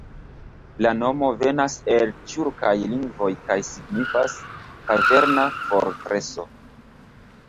La nomo venas el tjurkaj lingvoj kaj signifas "kaverna fortreso".